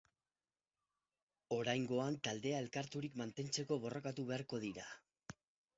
Oraingoan taldea elkarturik mantentzeko borrokatu beharko dira.